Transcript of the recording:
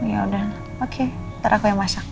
yaudah oke ntar aku yang masak